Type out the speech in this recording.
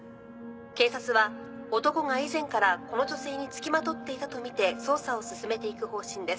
「警察は男が以前からこの女性につきまとっていたとみて捜査を進めていく方針です」